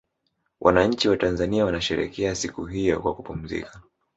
wananchi watanzania wanasherekea siku hiyo kwa kupumzika